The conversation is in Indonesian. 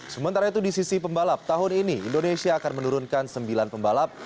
sementara itu di sisi pembalap tahun ini indonesia akan menurunkan sembilan pembalap